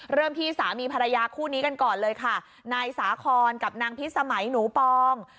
เริ่มที่สามีภรรยาคู่นี้กันก่อนเลยค่ะนายสาคอนกับนางพิษสมัยหนูปอง